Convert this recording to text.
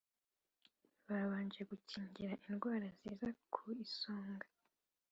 Babanje gukingira indwara ziza ku isonga